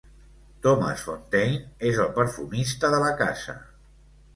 Thomas Fontaine és el perfumista de la casa.